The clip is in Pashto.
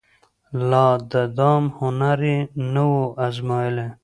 لا د دام هنر یې نه وو أزمېیلی